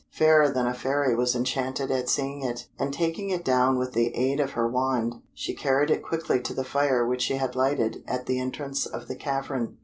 Fairer than a Fairy was enchanted at seeing it, and taking it down with the aid of her wand, she carried it quickly to the fire which she had lighted at the entrance of the cavern.